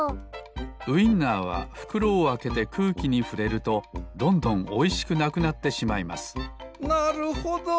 ウインナーはふくろをあけてくうきにふれるとどんどんおいしくなくなってしまいますなるほど！